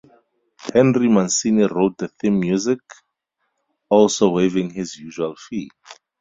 Henry Mancini wrote the theme music, also waiving his usual fee.